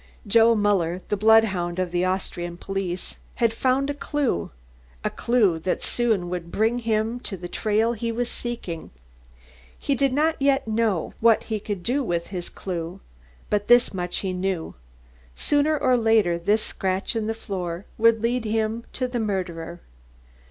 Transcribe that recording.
Joseph Muller, the bloodhound of the Austrian police, had found a clue, a clue that soon would bring him to the trail he was seeking. He did not know yet what he could do with his clue. But this much he knew; sooner or later this scratch in the floor would lead him to the murderer.